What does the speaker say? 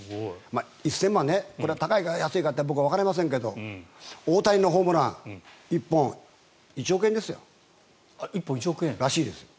１０００万これは高いか安いかって僕はわかりませんが大谷のホームラン１本１億円らしいですよ。